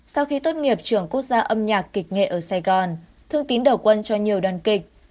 sau khi tốt nghiệp trường quốc gia âm nhạc kịch nghệ ở sài gòn thương tín đầu quân cho nhiều đoàn kịch